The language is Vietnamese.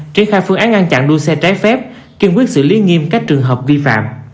triển khai phương án ngăn chặn đua xe trái phép kiên quyết xử lý nghiêm các trường hợp vi phạm